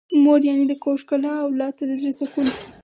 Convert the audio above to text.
مور يعنې د کور ښکلا او اولاد ته د زړه سکون.